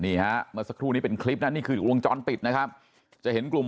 นี่ฮะเมื่อสักครู่นี้เป็นคลิปนะนี่คือวงจรปิดนะครับจะเห็นกลุ่ม